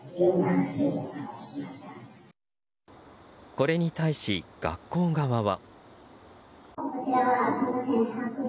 これに対し、学校側は。